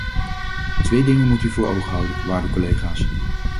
Twee dingen moet u voor ogen houden, waarde collega's.